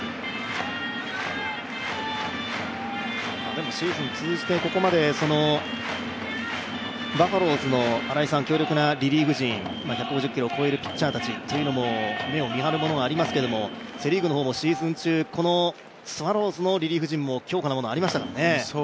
でもシーズン通じてここまでバファローズの強力なリリーフ陣、１５０キロを超えるピッチャーたちというのも目を見張るものもありますけど、セ・リーグの方もこのスワローズのリリーフ陣も強固なものがありましたからね。